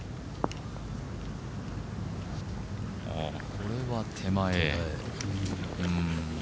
これは手前。